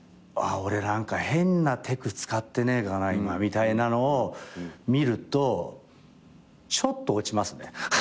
俺何か変なテク使ってねえかな今みたいなのを見るとちょっと落ちますね。